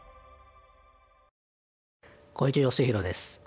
小池芳弘です。